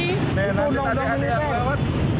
ini nanti tadi tadi yang bawa